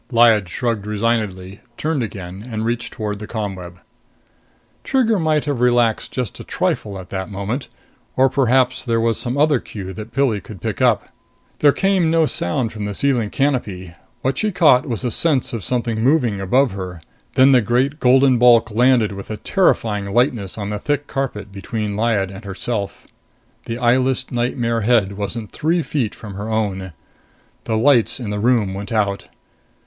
Lyad shrugged resignedly, turned again and reached toward the ComWeb. Trigger might have relaxed just a trifle at that moment. Or perhaps there was some other cue that Pilli could pick up. There came no sound from the ceiling canopy. What she caught was a sense of something moving above her. Then the great golden bulk landed with a terrifying lightness on the thick carpet between Lyad and herself. The eyeless nightmare head wasn't three feet from her own. The lights in the room went out.